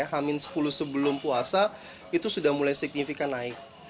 hamin sepuluh sebelum puasa itu sudah mulai signifikan naik